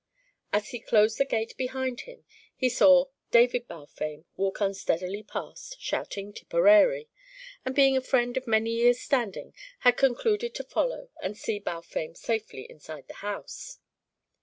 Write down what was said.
As he closed the gate behind him, he saw David Balfame walk unsteadily past, shouting "Tipperary"; and being a friend of many years' standing, had concluded to follow and see Balfame safely inside the house.